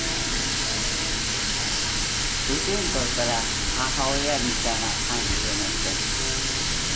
うちにとったら母親みたいな感じでもって。